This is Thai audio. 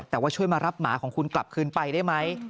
แต่ว่าช่วยมารับหมาของคุณกลับคืนไปได้ไหม